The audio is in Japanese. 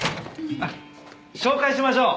紹介しましょう。